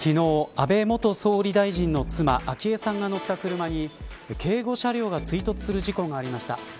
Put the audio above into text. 昨日、安倍元総理大臣の妻昭恵さんが乗った車に警護車両が追突する事故がありました。